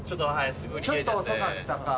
ちょっと遅かったか。